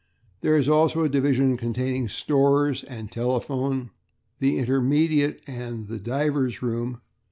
There are also a division containing stores and telephone, the intermediate, and the divers' room.